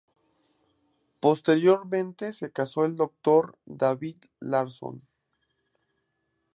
Posteriormente se casó con el Dr. David Larson.